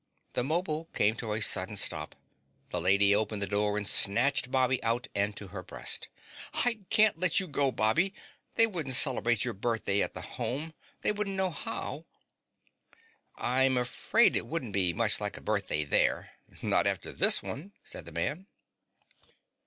The 'mobile came to a sudden stop, the Lady opened the door and snatched Bobby out and to her breast. "I can't let you go, Bobby. They wouldn't celebrate your birthday at the Home. They wouldn't know how." "I'm afraid it wouldn't be much like a birthday there; not after this one," said the man.